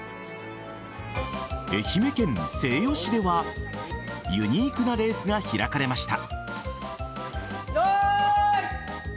愛媛県西予市ではユニークなレースが開かれました。